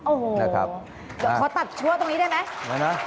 โอ้โหเดี๋ยวขอตัดชัวร์ตรงนี้ได้ไหม